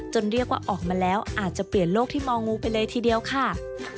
เรียกว่าออกมาแล้วอาจจะเปลี่ยนโลกที่มองงูไปเลยทีเดียวค่ะ